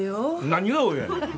何が「およ」やねん。